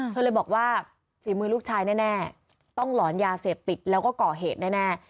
เธอเลยบอกว่าฝีมือลูกชายแน่ต้องหลอนยาเสพติดแล้วก็ก่อเหตุแน่